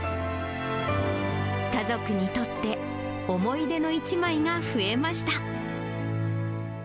家族にとって思い出の一枚が増えました。